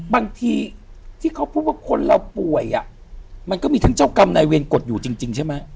บางทีที่เขาพูดว่าคนเราป่วยมันก็มีทั้งเจ้ากรรมนายเวรกฎอยู่จริงใช่ไหม